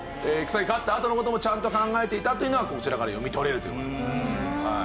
戦に勝ったあとの事もちゃんと考えていたというのはこちらから読み取れるという事でございます。